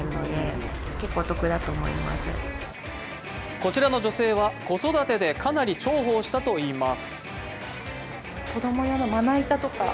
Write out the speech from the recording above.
こちらの女性は、子育てでかなり重宝したといいます。